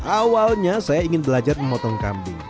awalnya saya ingin belajar memotong kambing